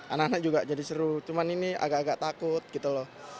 anak anak juga jadi seru cuman ini agak agak takut gitu loh